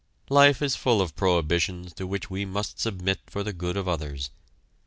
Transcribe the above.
Life is full of prohibitions to which we must submit for the good of others.